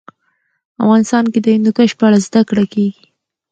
افغانستان کې د هندوکش په اړه زده کړه کېږي.